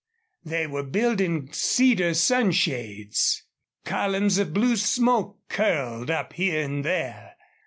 They were building cedar sunshades. Columns of blue smoke curled up here and there.